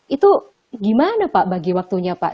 itu gimana pak bagi waktunya pak